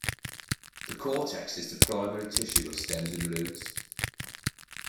The cortex is the primary tissue of stems and roots.